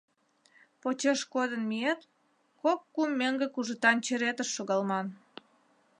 Почеш кодын миет — кок-кум меҥге кужытан черетыш шогалман.